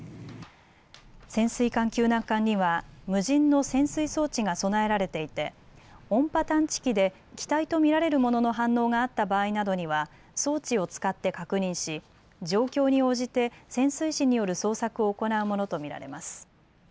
潜水艦救難艦には無人の潜水装置が備えられていて音波探知機で機体と見られるものの反応があった場合などには装置を使って確認し状況に応じて潜水士による捜索を行うものと見られます。